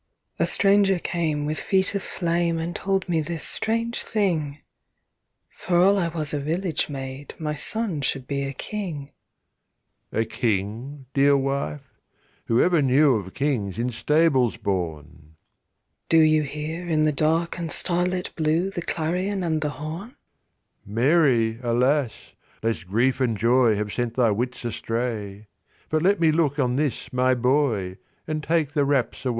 A stranger came with feet of flame And told me this strange thing, For all I was a village maid My son should be a King. JOSEPH A King, dear wife. Who ever knew Of Kings in stables born! MARY Do you hear, in the dark and starlit blue The clarion and the horn? JOSEPH Mary, alas, lest grief and joy Have sent thy wits astray; But let me look on this my boy, And take the wraps away.